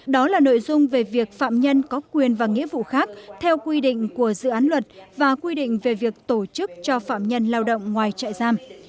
đó là nội dung về việc phạm nhân có quyền và nghĩa vụ khác theo quy định của dự án luật và quy định về việc tổ chức cho phạm nhân lao động ngoài trại giam